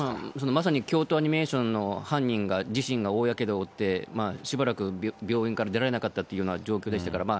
まさに京都アニメーションの犯人が自身が大やけどを負って、しばらく病院から出られなかったというような状況でしたから。